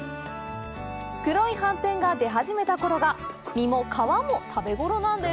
黒い斑点が出始めたころが実も皮も食べごろなんです。